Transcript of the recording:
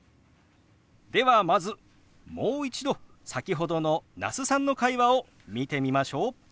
ではまずもう一度先ほどの那須さんの会話を見てみましょう。